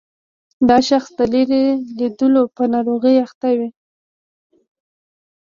دا شخص د لیرې لیدلو په ناروغۍ اخته وي.